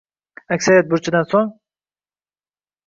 Askarlik burchidan so`ng, xizmatini davom ettirdi